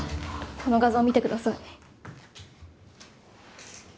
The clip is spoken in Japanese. この画像見てください！